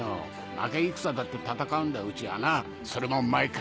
負け戦だって戦うんだうちはなそれも毎回。